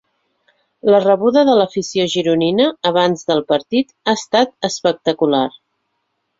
La rebuda de l’afició gironina abans del partit ha estat espectacular.